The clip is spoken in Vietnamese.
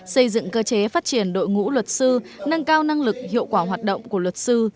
xây dựng cơ chế phát triển đội ngũ luật sư nâng cao năng lực hiệu quả hoạt động của luật sư